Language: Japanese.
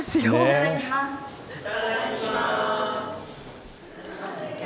いただきます。